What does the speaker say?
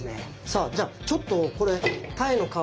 さあじゃあちょっとこれタイの皮